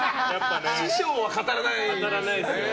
師匠は語らないですね。